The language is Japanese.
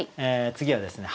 次はですね